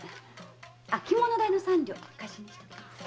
着物代の三両貸しにしときます。